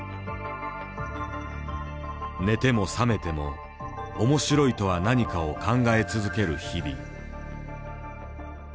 寝ても覚めても面白いとは何かを考え続ける日々。